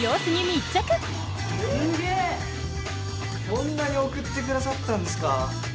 こんなに送って下さったんですか！？